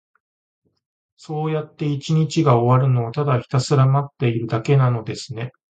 そうやって一日が終わるのを、ただひたすら待っているだけなのですね。